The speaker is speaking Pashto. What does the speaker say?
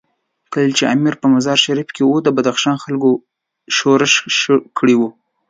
کله چې امیر په مزار شریف کې وو، د بدخشان خلکو ښورښ کړی وو.